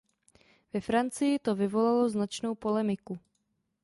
Ve Francii to vyvolalo značnou polemiku.